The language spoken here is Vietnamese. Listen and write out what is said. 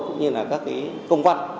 cũng như là các cái công văn